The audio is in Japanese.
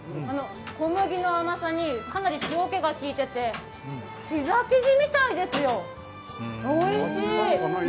小麦の甘さにかなり塩気がきいていて、ピザ生地みたいですよ